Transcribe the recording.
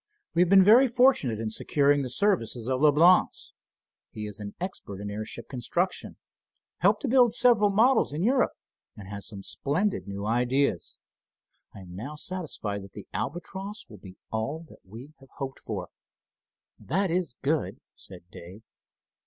We have been very fortunate in securing the services of Leblance. He is an expert in airship construction, helped to build several models in Europe, and has some splendid new ideas. I am now satisfied that the Albatross will be all that we have hoped for." "That is good," said Dave.